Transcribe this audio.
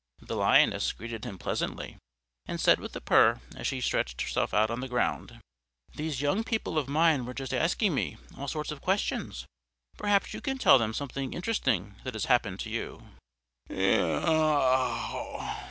The Lioness greeted him pleasantly, and said with a purr as she stretched herself out on the ground, "These young people of mine were just asking me all sorts of questions; perhaps you can tell them something interesting that has happened to you?"